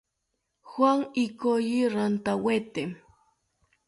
Juan ikoyi rantawete